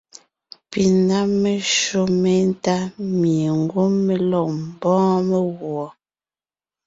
Pi ná meshÿó méntá mie ngwɔ́ mé lɔg ḿbɔ́ɔn meguɔ.